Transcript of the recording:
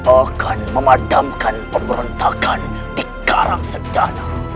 akan memadamkan pemberontakan di karang sedana